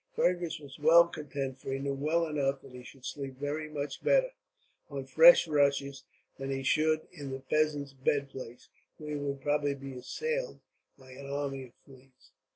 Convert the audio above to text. Fergus was well content, for he knew well enough that he should sleep very much better, on fresh rushes, than he should in the peasant's bed place, where he would probably be assailed by an army of fleas.